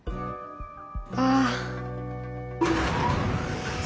ああ。